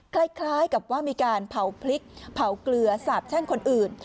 คล้ายกับว่ามีการเผาพริกเผาเกลือสาบแช่งคนอื่น